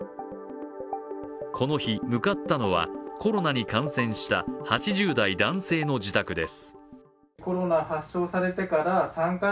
この日向かったのは、コロナに感染した８０代男性の自宅です。